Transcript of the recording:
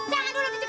jangan dulu dicekat